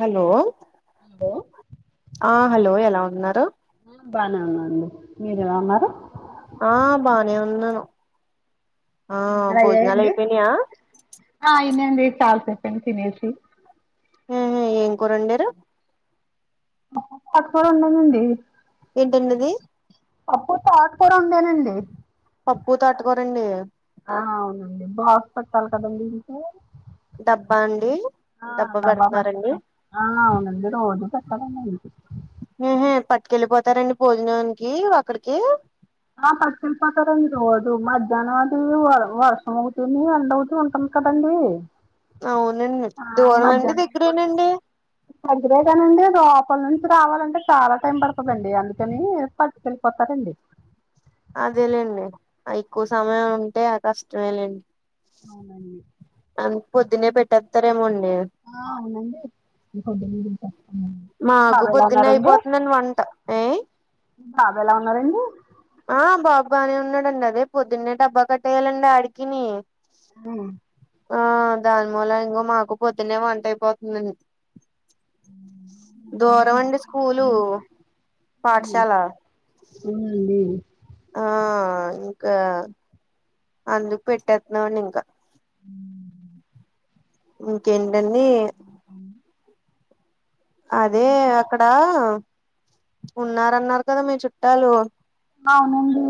hello ఓ ఆ hello ఎలా ఉన్నారు బానే ఉన్నానండీ మీరేలా ఉన్నారు ఆ బానే ఉన్నాను ఆ భోజనాలు అయ్యాయండి అయిపోయినాయా ఆ అయినయండి చాల సేపయింది తినేసి ఉ ఉ ఏం కూరొండారు అక్కడున్నదండి ఏంటండిది పప్పు తోటకూరు వండానండి పప్పు తోటకూరండి ఆ అవునండి బాక్స్ పెట్టాలి కదండి ఇంకా డబ్బా అండి ఆ డబ్బా పెట్టలి ఆ అవునండి రోజు పెట్టాలండి ఆయనకి ఉమ్ హ్ పట్టుకెళ్ళిపోతారండి భోజనానికి అక్కడికి ఆ పట్టుకెళ్లిపోతారండీ రోజు మధ్యాహ్నం అది వ వర్షం అవుతుంది ఎండవుతూ ఉంటుంది కదండి అవునండి దూరమ అండి దగ్గరేనండి దగ్గరే గనండి లోపల నుంచి రావాలంటే చాలా టైం పడుత్ త దండి అందుకనే పట్టుకెళ్ళిపోతారండి అదేలేండి ఆ ఎక్కువ సమయం ఉంటే ఆ కష్టమే లేండి అవునండి అన్ పొద్దునే ఇంకేం పెట్టేత్తారేమో అండి ఆ అవునండి ఇగ పొద్దున్నే తింటాడ్ మాకు పొద్దున్నే అయిపోతుందండి వంట ఏ బాబూ ఎలా ఉన్నారండి ఆ బాబూ బానే ఉన్నాడండి అదే పొద్దున్నే డబ్బా కట్టేయాలండి అడికిని ఉ ఆ దాని మూల ఇంగొ మాకు పొద్దున్నే వంట అయిపోతుందండి దూరమండి స్కూలు, పాఠశాల అవునండి ఆ ఇంకా అందుకు పెట్టేత్నమండి ఇంకా ఉమ్ ఇంకేంటండి అదే అక్కడా ఉన్నారన్నారు కదా మీ చుట్టాలు అవునండి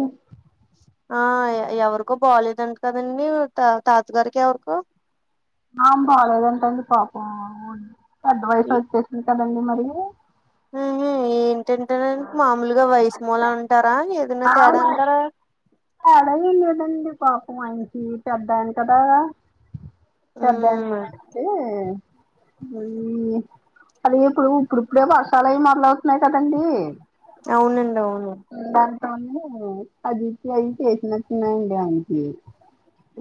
ఆ ఎ ఎవరికో బాలేదంట కదండి త తాతగారికి ఎవరికో ఆ బాలేదంటండి పాపం పెద్ద వయసు వచ్చేసింది కదండి మరి తింటం లేదంట మామూలుగా వయసు మూలా అంటారా ఏదన్న ఆ వయస్ అలా ఏం లేదండి పాపం ఆయనకి పెద్దాయన కదా పెద్దాయన ఉమ్ మూలాన అండి అది ఇప్పుడు ఇప్పుడిప్పుడే వర్షాలయి మొదలువుతున్నాయి కదండీ అవునండి అవును దాంతోనే అజీర్తి అయి చేసినట్టున్నాయండి ఆయనకి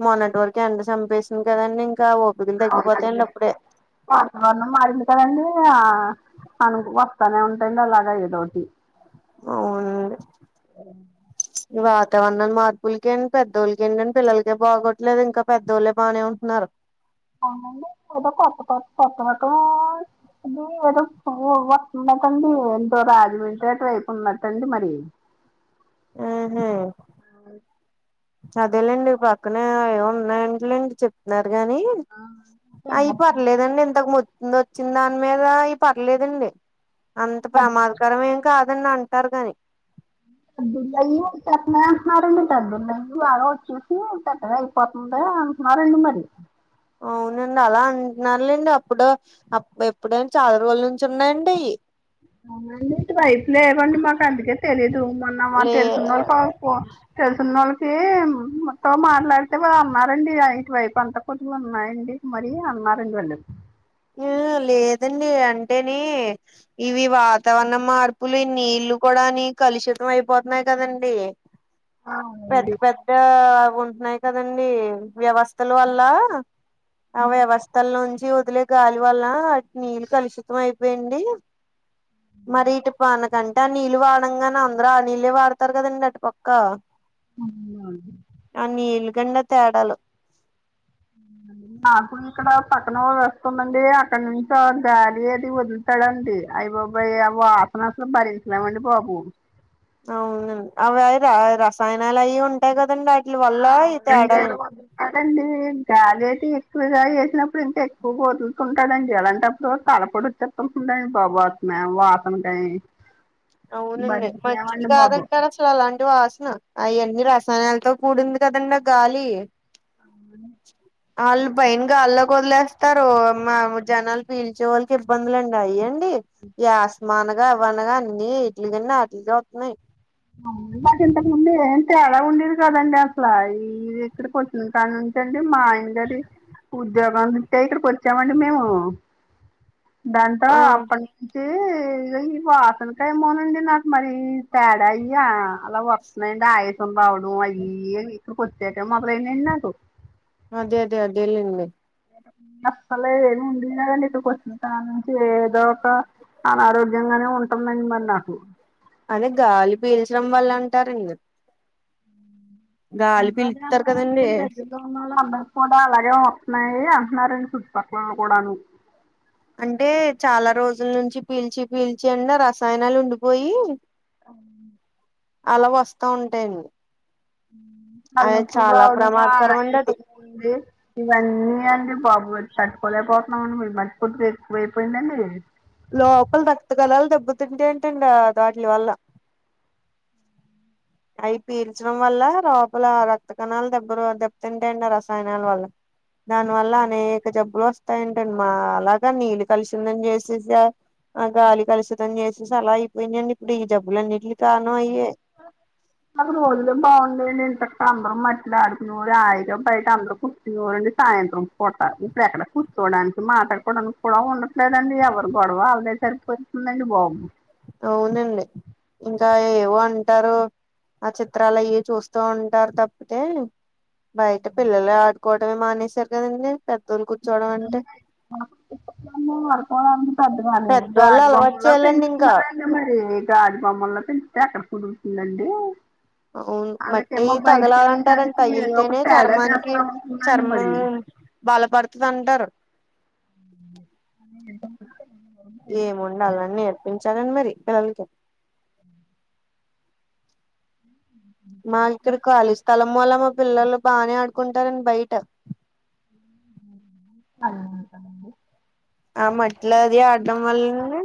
మొన్నటి వరకి ఎండ చంపేసింది కదండి ఇంకా ఓపికలు తగ్గిపోతాయండి అవునండి అప్పుడే వాతావరణం మారింది కదండి ఆ అను వత్తనే ఉంటయండి అలాగ ఏదోటి అవునండి ఆ వాతావరణం మార్పులకేండి పెద్దోళ్ళకేంటండి పిల్లలకే బాగోట్లేదు ఇంక పెద్దోళ్ళే బానే ఉంటున్నారు అవునండి కొత్త కోక కొత్త రకం అ ఏదోవ్వత్తున్దటండి ఎంతో రాజమండ్రి అటు వైపు ఉందట మరి హు హు చదివలేండి పక్క పక్కనే ఏ ఉన్నాయింటలేండి చెప్తున్నారు గానీ అవి పర్లేదండి ఇంతకు మున్ నొచ్చిన్ దాని మీద ఇ పర్లేదండి అంత ప్రమాదకరమే కాదని అంటారు గాని అబ్దుల్లయ్య అస్తునే అంటున్నారు రండి అబ్దుల్లయ్య ఆ రోజు చూసి ఉంట కదాతే పతుంది అంటున్నారు అండి మరి అవునండి అలా అంటున్నారులేండి అప్పుడే అప్ ఎప్పుడైనా చాలా రోజుల నుంచి ఉన్నాయండి అవునండి ఇటు వయపు లేవండి మాకు అందుకే తెలీదు మోన్న మా లే తెలుసన్న వాళ్ళు కా చెదున్నోళ్ళకి తో మాట్లాడితే వాళు అన్నారండి ఇటువైపు అంత కొదిగా ఉన్నాయండి మరి అన్నారండి వాలు ఆ లేదండి అంటేని ఇవి వాతావరణం మార్పులు నీళ్లు కూడాని కలుషితం అయిపోతున్నాయి కదండి పెద్ద అవునండి పెద్ద ఉంటున్నాయి కదండడి వ్యవస్థల వల్ల ఆ వ్యవస్థల నుంచి వదిలే గాలి వల్ల వాటి నీళ్లు కలుషితం అయిపోయింది మరి ఇటు పానకంటే ఆ నీళ్ళు వాడంగానే అందరు ఆ నీళ్ళే వాడతారు కదండి అటు పక్క అవ్నా అండి ఆ నీలుగండ తేడాలు [unintelligible] ఇక్కడ పక్కన వ వస్తుందండి అక్కడ నుంచి గాలి ఏది వదులుతాడుండి ఐబాబ్బోయ్ ఆ వాసన కానీ అసలు భరించలేమండి బాబు అవునండి అవి అవి రసాయనాలు అవి ఉంటాయి కదండి వాటిల వల్ల ఈ తేడాలండి అదండి గాలి అయితే ఎక్కువగా వేసినప్పుడు ఇంకా ఎక్కువ వదులుతుంటాడుండి ఎలాంటప్పుడు కలపడు చత్త కుడా బాబు వాటిని వాసన్ కి అవునండి మంచిది కాదంటార అస్ అసలు అలాంటి వాసన అవన్నీ రసాయనాలతో కూడింది కదండి ఆ గాలి ఆళ్ళు పయైనగాళ్ళోక్ వదిలేస్తారు మా జనాలు పీల్చే వాళ్ళకి ఇబ్బందులుండి అయ్యండి ఈ ఆస్మానగా అవనగా అన్ని ఈట్లి కన్నా అటిల్ కే వతున్నాయి నాకు ఇంతకుముందే అంటే అలా ఉండేది కదండి అసలా ఇది ఎక్కడ కొ తింటాను ఉంచండి మా ఆయన్దది ఉద్యోగంటే ఇక్కడికి వచ్చామండి మేము దాంతో ఆ అప్ప ఇంటే ఈ వాసనక ఏమో నండి నాకు మరి తేడా అయ్యా అలా వస్తున్నాయిడి ఆయాసం రావడం అయ్య ఇక్కడ కొచ్చేక మొదలయాయండి నాకు అదే అదే అదే ఎలింది అస్సలు ఏమి ఉండనా క నీకు వచ్చిన తన నుంచి ఏదో ఒక అనారోగ్యంగానే ఉంటన్దండి మరి నాకు అని గాలి పీల్చడం వల్ల అంటారండి గాలి పిలుతారు కదండీ అందరు కూడా అలాగే వస్తున్నాయి అంటనారండి చుట్టుపక్కలలో కూడాను అంటే చాలా రోజుల నుంచి పీల్చి పీల్చి అండి రసాయనాలు ఉండిపోయి అవ్ను అలా వస్తా ఉంటాయండి అలా అది నొప్పులు చాలా రావడము ప్రమాదకరం అండి అది ఆయాసం ఉండడము ఇవన్నీ అండి బాబు తట్టుకోలేకపోతున్నాంమండిరు మట్టుపోట్ ఎక్కువైపోయిందండి లోపల రక్తకళాలు దెబ్బతింటే ఏంటండి ఆ వాటిలి వల్ల అవి పీల్చడం వల్ల లోపల రక్త కణాలు దెబ్బ దెబ్బతింటాయండి ఆ రసాయనాల వల్ల దాని వల్ల అనేక జబ్బులు వస్ త్త ఏంటం మా అలాగా నీళ్ళు కలిసిందని చేసేసా ఆ గాలి కలుషితం చేసేసి అలా అయిపోయిందండి ఇప్పుడు ఈ జబ్బుల అన్నింటికి కారణం అయ్యే నాకు రోజులే బాగుంయండి ఎన్ చెక్కా అందరం మట్టిలో ఆడుకొనే వారు [unintelligible] అందరు ఇగోండి సాయంత్రం పూట ఇప్పుడు ఎక్కడ కూర్చోవడానికి మాట్లాడుకోవడానికి కూడా ఉండదు లేదండి ఎవరి గొడవ అళ్దే సరిపోతుందండి బాబు అవునండి ఇంకా ఏవో అంటారు ఆ చిత్రాలు అయి చూస్తూ ఉంటారు తప్పితే బయట పిల్లలే ఆడుకోవడంమే మానేసారు కదండి పెద్దళ్లు కూర్చోవడం అంటే [inaudible] పెద్దోళ్ళు గాజు అలవాటు బొమ్మలా చేయాలండి ఇంకా పెంచుతున్నార్ ఇంగ మరి గాజు బొమ్మల్లా పెంచుతే ఎక్కడ కుదురుతుందండి అవును మట్టి వాళ్ళకేమో బయటకి వెళ్ళిన తగలాలంటారంట దానికి ఏదో ఒక తగిలితేనే తేడా చర్మానికి చేస్తా ఉంటుందండి మరి చర్మం బల పడతంటారు ఏముండ అలా నేర్పించాలండి మరి పిల్లలకి మా ఇక్కడ ఖాళీ స్థలం వల్ల మా పిల్లలు బానే ఆడుకుంటారండి బయట అ అలా ఉంటనండి ఆ మట్లోది ఆడం వల్లే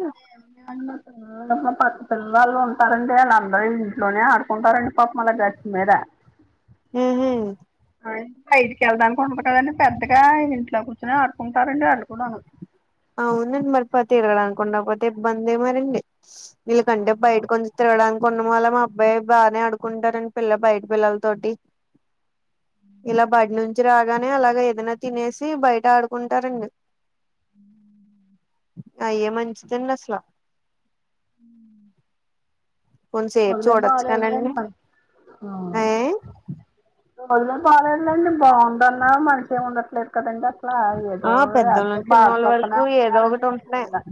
ఎం [unintelligible] ఆ పసిపిల్లరాళ్ళు ఉంటారండి వాళ్ళ అందరు ఇంట్లోనే ఆడుకుంటారండి పాపము గచ్చు మీద హ్మ్ హు బయటికి వెళ్ళడానికి ఉండదు కదండి పెద్దగా ఇంట్లో కూర్చొని ఆడుకుంటారండి ఆడుకుంటారు అళ్ళుకూడాను అవునండి మరిపతే తిరగడానికి తోరగడానుకుండా ఉండకపోతే ఇబ్బంది మరండి వీళ్ళకంటే బయట కొంచ్ తిరగడానికి కున్న మాల్లే మా అబ్బాయి బానే ఆడుకుంటారండి పిల్ల బయట పిల్లల తోటి ఇలా బడి నుంచి రాగానే అలాగ ఏదైనా తినేసి బయట ఆడుకుంటారండి అయ్య మంచిదండి అసలు హ కొంతసేపు మొదలే చూడొచ్చు బాలలేదు అన్ కానండి ఆ ఏ రోజులే బాలేదులేండి బాగుంది అన్న మనిషే ఉండట్లేదు కదండి అట్లా ఏటో ఆ పెద్దోళ్ళ యాటో నుంచి బాధ చిన్నోళ్ళ వరకు పడుతూనే ఏదో ఉన్నారండి ఒకటి మీర్ ఉంటున్నాయి నిన్న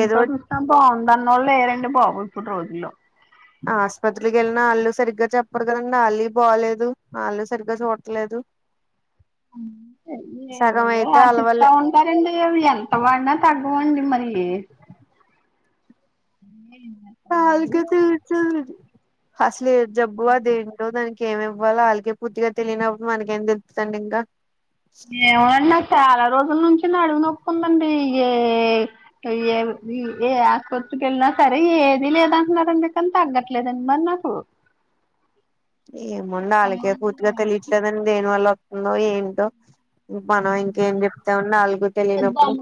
ఏదో చూసినా బాగుంది అన్ననోళ్ళు లేరండి బాబు ఇప్పుడు రోజుల్లో ఆస్పత్రిలకి వెళ్ళినా వాళ్ళు సరిగ్గా చెప్పరు కదండి వాళ్ళీ బాగలేదు వాళ్ళు సరిగ్గా చూడట్లేదు అంతే సగం ఏవేవో అయితే అలవల్లే రాసితాన్ ఇస్తారండి అవి ఎంత వాడినా తగ్గవండి మరి ఎండా [unintelligible] అసల ఏం జబ్బు అదేంటో దానికి ఏమివ్వాలో ఆల్కే పూర్తిగా తెలినినప్పుడు మనకేం తెలుతదండి ఇంకా ఏవండి నాకు సాలా రోజుల నుంచి నడుము నొప్పి ఉందండి ఏ ఏవి ఏ ఆసుపత్రికి వెళ్ళినా సరే ఏది లేదంటున్నారు అని తగ్గట్లేదండి మర్ నాక్ పు ఏమో అండి ఆళ్ళకే పూర్తిగా తెలియట్లేదని దేని వల్ల వతుందో ఏంటో మనం ఇంకేం చెప్తా ఉన్నా ఆలకే తెలియనప్పుడు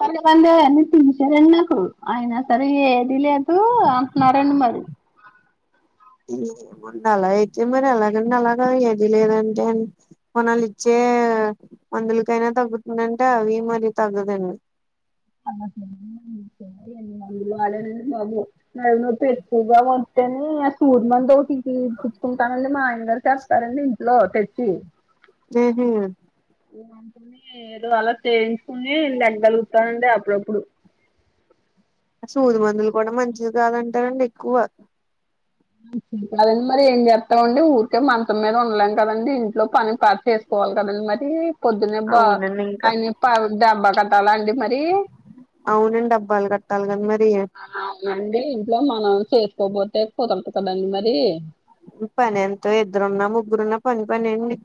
పంత వందివన్న తిసారండి నాకు అయినా సరే [unintelligible] మరి అలా అయితే మరి ఎలాగండి అలాగ ఏది లేదంటే కొనాల ఇచ్చే మందులకైనా తగ్గుతుందంటే అవి మరి తగ్గదండి [unintelligible] నడుము నొప్పి ఎక్కువ వస్తె అండి సూర్ మందు ఒకటి పచ్చుకుంటానండి మా ఆయన గారు చెప్తారండి ఇంట్లో తెచ్చి ఉహ అంటని ఏదో అలా చేయించుకుని లేవ గలుగుతానండి అప్పుడప్పుడు సూది మందులు కూడా మంచిది కాదంటారండి ఎక్కువ కాదండి మరి ఏం చేస్తామండి ఊరికే మచం మీద ఉండలేం కదండి ఇంట్లో పని చేస్త కోలు కదని మరి పొద్దునబ్బ అవునండి ఇంకా ఆయన ప దడబ్బా కట్టాల అండి మరి అవునండి డబ్బాలు కట్టాలి కదా మరి అవునండి ఇంట్లో మనం చేసుకోబతే కుదరదు కదండి మరి పని ఎంతో ఇద్దరున్నా ముగ్గురున్నా పని పనియండి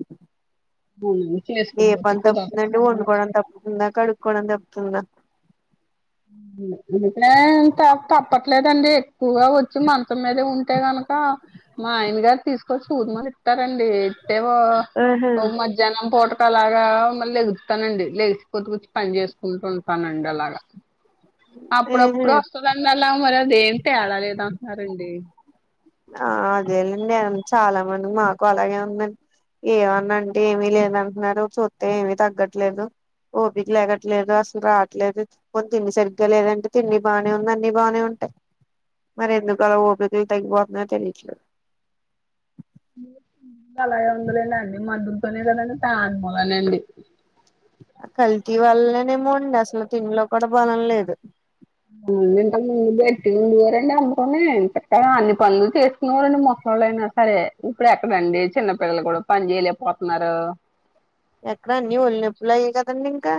అవునండి ఏ చేసుకోపోతే పని కుదరదు తప్పుందండి కదండి మరి వండుకోవడం తప్పుతుందా కడుక్కోవడం తప్పుతుందా ఉ అందు తప్పట్లేదండి ఎక్కువగా వచ్చి మంచం మీదే ఉంటే గనక మా ఆయన గారు తీసుకొచ్చి సూది మంద్మలు ఇస్తారండి ఇట్టేవో ఆహా మధ్య జనం పూటకు అలాగా మళ్ళీ ఎగుతానండి లేసిపోతకచ్చి పని చేసుకుంటూ ఉంటానండి అలాగా ఆహా అప్పుడప్పుడు వస్తుందండి అలా మరి అదేం తేడా లేదు అంటున్నారండి ఆ అదేనండి చాలా మంది మాకు అలాగే ఉందండి ఏమన్నా అంటే ఏమీ లేదంటున్నారు చూస్తే ఏమి తగ్గట్లేదు ఓపిక్ లేగట్లేదు అసలు రావట్లేదు కొన్ని తిండి సరిగ్గా లేదంటే తింన్ని బాగానే ఉంది అన్ని బాగానే ఉంటాయి మరి ఎందుకు అలా ఓపరికలు తగ్గిపోతుందో తెలియట్లేదు అలాగే ఉందలేండి మద్దతోనే కదండి త అనుమూలన అండి కల్తీ వల్లనేమో ఉండి అసలు తింలో కూడా బలం లేదు అ ఇకా ముందు పెట్టి ఉండవరండి అమ్కని ఇంతక్క అన్ని పనులు చేసుకునేవారండి మొసళ్ళైనా సరే ఇప్పుడు ఎక్కడండి చిన్నపిల్లలు కూడా పని చేయలేకపోతున్నారు ఎక్కడ అన్నీ వలి నొప్పులు అయయి కదండండి ఇంకా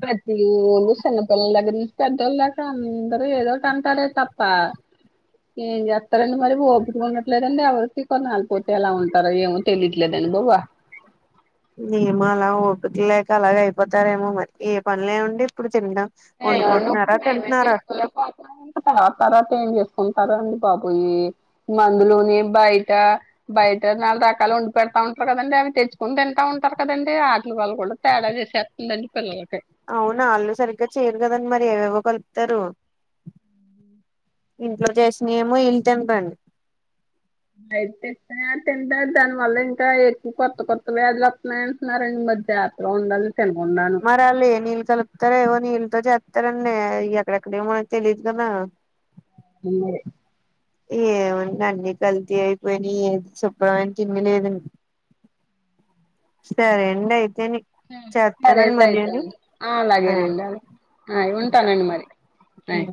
ప్రతి ఊళ్ళు చిన్నపిల్లల దగ్గర నుంచి పెద్దోళ్ళ దగ్గర అందరు ఏదోటి అంటారే తప్ప ఏం చెస్తారండి మరి ఊపితి ఉండట్లేదండి ఎవరికి కొన్ని ఆపోతే ఎలా ఉంటారు ఏం తెలియదుండి అబ్బాయి మమో అలా పికలేక అలాగ అయిపోతారేమో మరి ఏ పనిలేముండి ఇప్పుడు తినడం వండుకుంటున్నారా తింటున్నారా [unintelligible] తర్వా తర్వాత ఏం చేసుకుంటారు అండి బబయి మందులోనే బయట బయట నాలుగు రకాల వండి పెడతా ఉంటారు కదండి అవి తెచ్చుకుని తింటా ఉంటారు కదండి ఆటలు వాళ్ళు కూడా తేడా చేశారు నందడి పిల్లలకే అవునా వాళ్ళు సరిగ్గా చేయరు కదండి మరి ఏవేవ్వగలుపుతారు ఇంట్లో చేసిన ఏమో ఇల్లు తన రండి అయిట్ ఇస్త తింట దాని వల్ల ఇంకా ఎక్కువ కొత్త కొత్తవి వ్యాధ వస్తున్నాయండి నారాణ మధ్య జతలో ఉండాలి తెలగు ఉండాలి మరళు ఏ నీళ్లుతో కలుపుతారా ఏవో నీళ్ళతో చేస్తారండి ఎక్కడెక్కడ ఏమోన తెలీయదు కదా ఈమదే ఏముంది అన్నీ కల్తీ అయిపోయినా ఏది శుభ్రమని తిండి లేదండి సరే ఎండ్ అయితేనిక్ సరే అండి అయితేండి ఆ అలాగేనండి అలాగే అ ఇగ ఉంటా ఉంటానండి మరి టయి ఉమ్